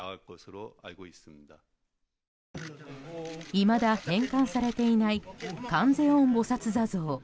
いまだ返還されていない観世音菩薩坐像。